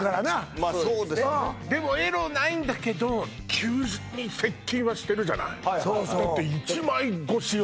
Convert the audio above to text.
まあそうですでもエロないんだけど急に接近はしてるじゃないそうそうだって一枚越しよ